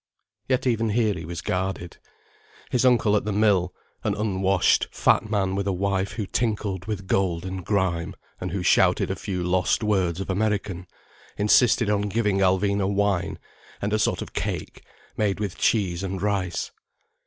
Yet even here he was guarded. His uncle at the mill, an unwashed, fat man with a wife who tinkled with gold and grime, and who shouted a few lost words of American, insisted on giving Alvina wine and a sort of cake made with cheese and rice.